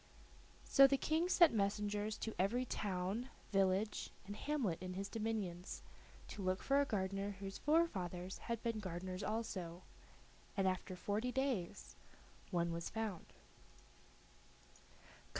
So the King sent messengers to every town, village, and hamlet in his dominions, to look for a gardener whose forefathers had been gardeners also, and after forty days one was found.